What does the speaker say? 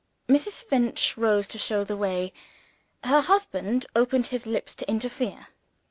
Mrs. Finch rose to show the way. Her husband opened his lips to interfere.